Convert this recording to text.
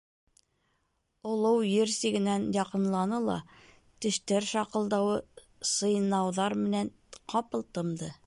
Олоу ер сигенән яҡынланы ла тештәр шаҡылдауы, сыйнауҙар менән ҡапыл тымды.